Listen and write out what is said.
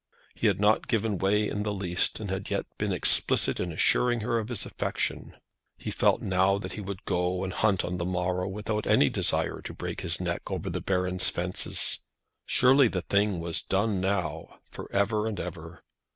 He had not given way in the least, and had yet been explicit in assuring her of his affection. He felt now that he would go and hunt on the morrow without any desire to break his neck over the baron's fences. Surely the thing was done now for ever and ever!